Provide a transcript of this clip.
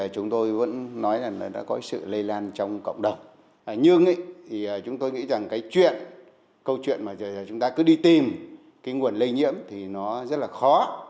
chúng tôi nghĩ rằng cái chuyện câu chuyện mà chúng ta cứ đi tìm cái nguồn lây nhiễm thì nó rất là khó